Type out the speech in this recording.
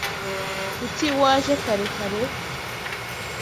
Kuki waje kare kare?